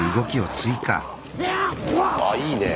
あいいね。